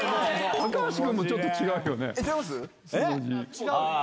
高橋君もちょっと違うよね。